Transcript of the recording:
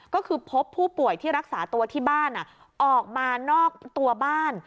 ก็คือพบผู้ป่วยที่รักษาตัวที่บ้านออกมานอกตัวบ้าน